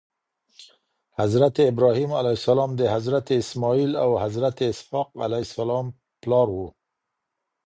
حضرت ابراهيم عليه السلام د حضرت اسماعيل او حضرت اسحاق عليه السلام پلار وو